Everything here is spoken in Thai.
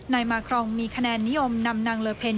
นายมาครองมีคะแนนนิยมนำนางเลอเพ็ญ